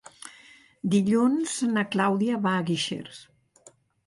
Dilluns na Clàudia va a Guixers.